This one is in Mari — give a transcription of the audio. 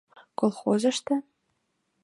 Колхозышто?